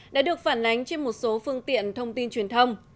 đã được phản ánh trên một số phương tiện thông tin truyền thông